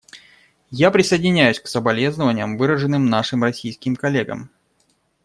Я присоединяюсь к соболезнованиям, выраженным нашим российским коллегам.